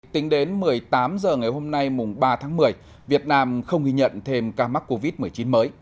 tính đến một mươi tám h ngày hôm nay mùng ba tháng một mươi việt nam không ghi nhận thêm ca mắc covid một mươi chín mới